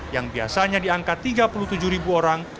yang biasanya di angka tiga puluh tujuh ribu orang